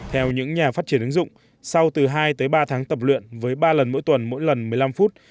theo những nhà phát triển ứng dụng sau từ hai tới ba tháng tập luyện với ba lần mỗi tuần mỗi lần một mươi năm phút